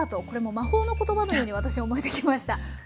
これもう魔法の言葉のように私思えてきました。